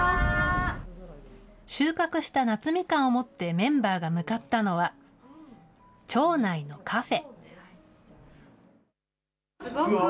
収穫した夏みかんを持ってメンバーが向かったのは、町内のカフェ。